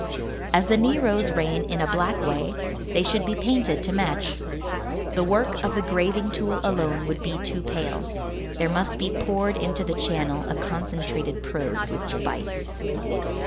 As the Neros reign in a black way, they should be painted to match. The work of the graving tool alone would be too pale; there must be poured into the channel a concentrated prose which bites.